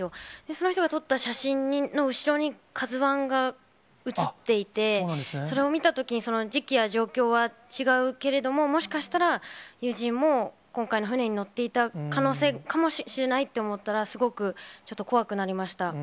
その人が撮った写真の後ろにカズワンが写っていて、それを見たとき、その時期や状況は違うけれども、もしかしたら友人も、今回の船に乗っていたかもしれないと思ったら、すごくちょっと怖くなりました。